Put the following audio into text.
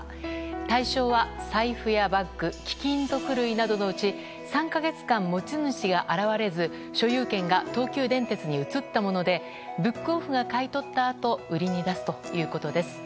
対象は財布やバッグ貴金属類などのうち３か月間、持ち主が現れず所有権が東急電鉄に移ったものでブックオフが買い取ったあと売りに出すということです。